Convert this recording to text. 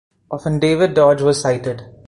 Often David Dodge was cited.